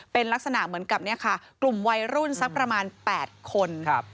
เป็นลักษณะเหมือนกับเนี่ยค่ะกลุ่มวัยรุ่นสักประมาณ๘คน